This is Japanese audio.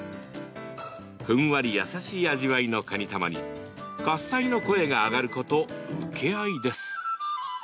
ふんわり優しい味わいのかにたまに喝采の声が上がること請け合いです。